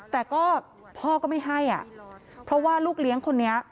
แต่ก็พ่อก็ไม่ให้อ่ะเพราะว่าลูกเลี้ยงคนนี้